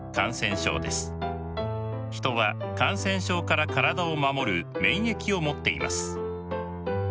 人は感染症から体を守る「免疫」を持っています。